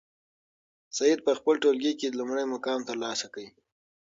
سعید په خپل ټولګي کې لومړی مقام ترلاسه کړ.